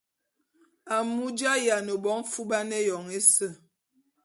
Amu j’ayiane bo mfuban éyoñ ése.